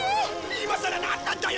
今さらなんなんだよ！